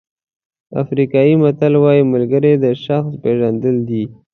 افریقایي متل وایي ملګري د شخص پېژندل دي.